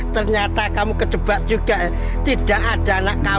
ternyata kamu kecebak juga ya